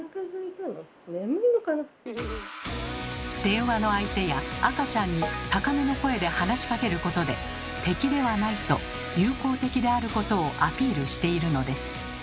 電話の相手や赤ちゃんに高めの声で話しかけることで「敵ではない」と「友好的」であることをアピールしているのです。